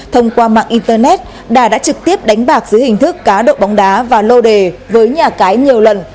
thông qua mạng internet đà đã trực tiếp đánh bạc dưới hình thức cá độ bóng đá và lô đề với nhà cái nhiều lần